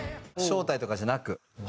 招待とかじゃなく。